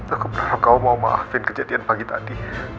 aku bener bener mau maafin kejadian pagi tadi